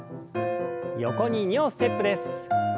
横に２歩ステップです。